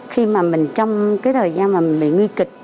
khi mà mình trong cái thời gian mà mình bị ngư kịch